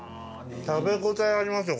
食べ応えありますよ